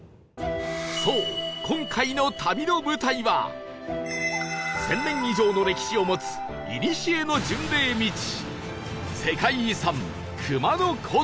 そう今回の旅の舞台は１０００年以上の歴史を持ついにしえの巡礼道世界遺産熊野古道